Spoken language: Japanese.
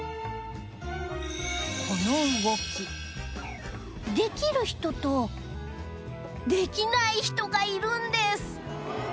この動きできる人とできない人がいるんです